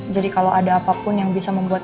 jadi kalau ada apapun yang bisa membuat